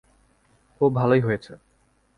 ও ভালোই হয়েছে।